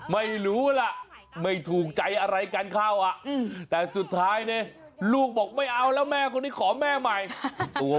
ไม่รู้ล่ะไม่ถูกใจอะไรกันเข้าอ่ะแต่สุดท้ายเนี่ยลูกบอกไม่เอาแล้วแม่คนนี้ขอแม่ใหม่ตัว